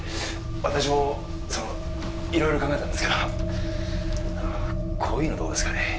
私もその色々考えたんですけどこういうのどうですかね？